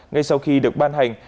ngay sau khi được ban hành